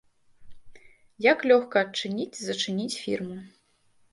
Як лёгка адчыніць і зачыніць фірму.